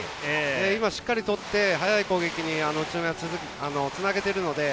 今、しっかり取って速い攻撃に宇都宮はつなげているので。